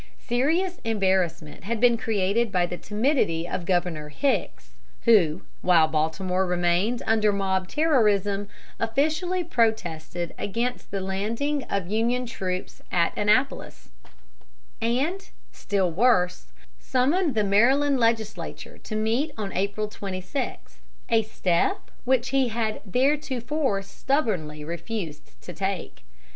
Serious embarrassment had been created by the timidity of Governor Hicks, who, while Baltimore remained under mob terrorism, officially protested against the landing of Union troops at Annapolis; and, still worse, summoned the Maryland legislature to meet on April 26 a step which he had theretofore stubbornly refused to take.